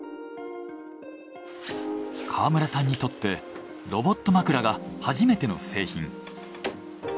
川村さんにとってロボット枕が初めての製品。